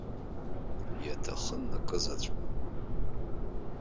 Иаҭахын акызаҵәык.